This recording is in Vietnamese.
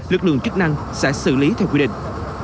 lực lượng chức năng sẽ xử lý theo quy định